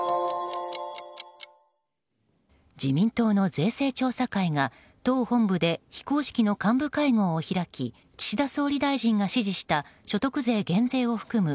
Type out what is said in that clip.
自民党の税制調査会が党本部で非公式の幹部会合を開き岸田総理大臣が指示した所得税減税を含む